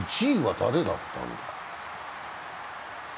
１位は誰だったんだ？